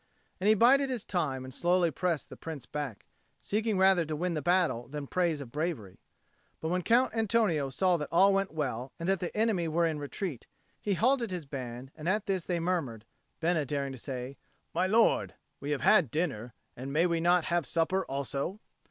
And he bided his time and slowly pressed the Prince back, seeking rather to win the battle than the praise of bravery. But when Count Antonio saw that all went well, and that the enemy were in retreat, he halted his band; and at this they murmured, Bena daring to say, "My lord, we have had dinner, and may we not have supper also?"